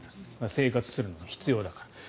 生活するのに必要だから。